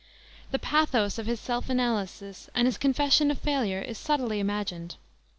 The pathos of his self analysis and his confession of failure is subtly imagined.